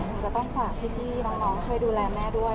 คุณก็ต้องฝากให้ที่น้องช่วยดุแลแม่ด้วย